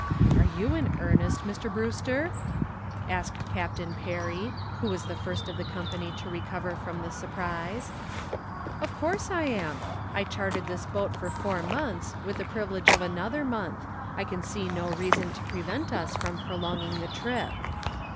"Are you in earnest, Mr. Brewster?" asked Captain Perry, who was the first of the company to recover from the surprise. "Of course I am. I chartered this boat for four months with the privilege of another month I can see no reason to prevent us from prolonging the trip."